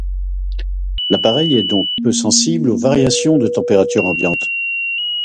L'appareil est donc peu sensible aux variations de température ambiante.